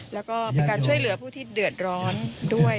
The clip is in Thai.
แล้วก็เป็นการช่วยเหลือผู้ที่เดือดร้อนด้วย